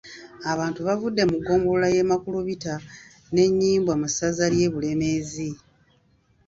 Abantu baavudde mu ggombolola y’e Makulubita n’e Nnyimbwa mu ssaza ly’e Bulemeezi.